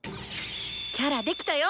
キャラできたよ！